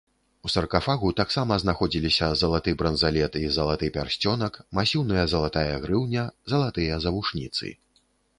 У саркафагу таксама знаходзіліся залаты бранзалет і залаты пярсцёнак, масіўная залатая грыўня, залатыя завушніцы.